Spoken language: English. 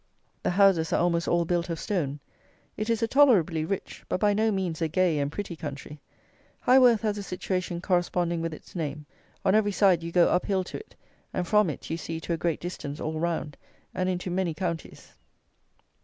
The houses are almost all built of stone. It is a tolerably rich, but by no means a gay and pretty country. Highworth has a situation corresponding with its name. On every side you go up hill to it, and from it you see to a great distance all round and into many counties.